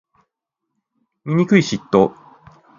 醜い嫉妬